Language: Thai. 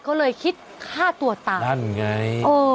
ก็เลยคิดฆ่าตัวตายนั่นไง